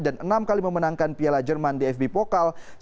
dan enam kali memenangkan piala jerman dfb pokal